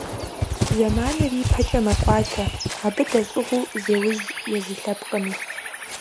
Зэманыр ипэкӀэ мэкӀуатэ, абы дэщӀыгъуу зеужь езы лъэпкъми.